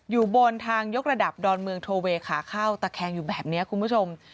อยู่บนทางยกระดับดอนเมืองโทเวขาเข้าตะแคงอยู่แบบนี้คุณผู้ชม